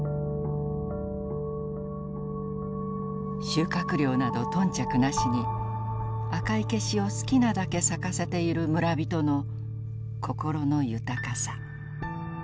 「収穫量など頓着なしに赤い罌粟を好きなだけ咲かせている村人の心の豊かさ。